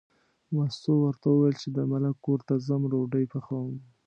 مستو ورته وویل چې د ملک کور ته ځم او ډوډۍ پخوم.